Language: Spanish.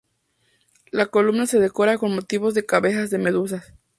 La columna se decora con motivos de cabezas de medusas.